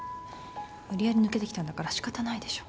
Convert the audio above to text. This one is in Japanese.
無理やり抜けてきたんだから仕方ないでしょ。